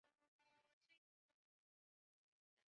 其中要特别指出的是乃蛮的国师畏兀儿人塔塔统阿。